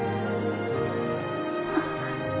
あっ。